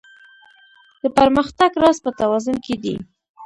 د پرمختګ راز په توازن کې دی.